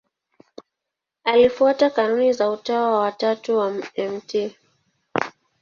Alifuata kanuni za Utawa wa Tatu wa Mt.